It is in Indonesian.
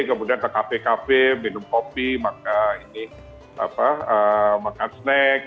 kemudian ke kafe kafe minum kopi makan snack